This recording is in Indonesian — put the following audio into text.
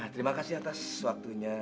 terima kasih atas waktunya